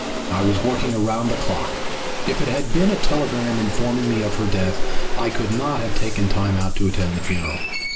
I was working around the clock. If it had been a telegram informing me of her death I could not have taken time out to attend the funeral.